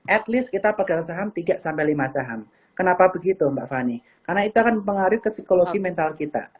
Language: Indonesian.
at least kita pegang saham tiga sampai lima saham kenapa begitu mbak fani karena itu akan mengaruhi ke psikologi mental kita